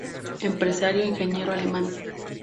Empresario e ingeniero alemán.